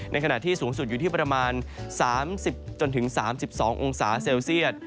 ขณะที่สูงสุดอยู่ที่ประมาณ๓๐๓๒องศาเซลเซียต